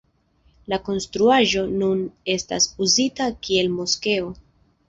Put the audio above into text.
La konstruaĵo nun estas uzita kiel moskeo.